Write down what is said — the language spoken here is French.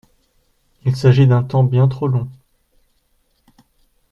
Il s’agit d’un temps bien trop long.